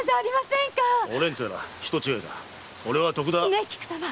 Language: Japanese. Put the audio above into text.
ねぇ菊様